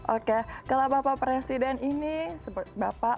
oke kalau bapak presiden ini bapak